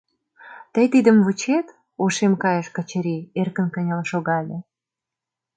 — Тый тидым вучет? — ошем кайыш Качырий, эркын кынел шогале.